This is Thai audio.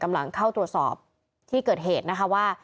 กำลังเข้าตรวจสอบที่เกิดเหตุนะคะว่า